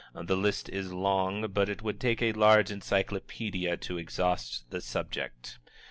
The list is long, but it would take a large encyclopaedia to exhaust the subject.